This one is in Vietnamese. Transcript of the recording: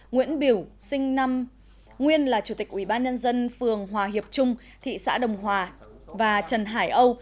nguyễn biểu sinh năm nguyên là chủ tịch ủy ban nhân dân phường hòa hiệp trung thị xã đồng hòa và trần hải âu